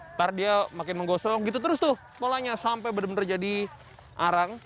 ntar dia makin menggosong gitu terus tuh polanya sampai benar benar jadi arang